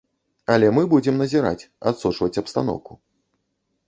Але мы будзем назіраць, адсочваць абстаноўку.